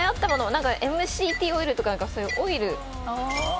ＭＣＴオイルとかオイル。